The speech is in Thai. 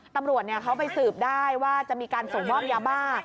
ตำรวจเขาไปสืบได้ว่าจะมีการส่งมอบยาบ้า